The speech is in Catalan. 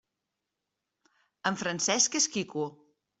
En Francesc és quico.